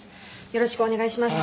よろしくお願いします。